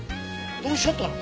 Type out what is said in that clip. どうしちゃったの？